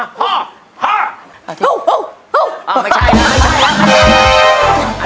อ้าวไม่ใช่แล้ว